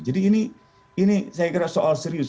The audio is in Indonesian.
jadi ini ini saya kira soal serius